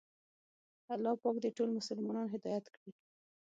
الله پاک دې ټول مسلمانان هدایت کړي.